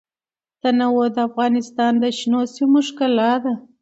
تنوع د افغانستان د شنو سیمو ښکلا ده.